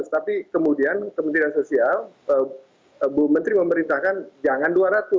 tapi kemudian kementerian sosial bu menteri memerintahkan jangan dua ratus